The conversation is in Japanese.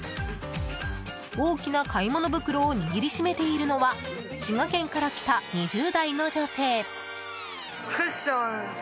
大きな買い物袋を握り締めているのは滋賀県から来た２０代の女性。